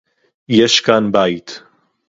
יֵשׁ כָּאן בַּיִת.